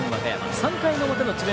３回の表の智弁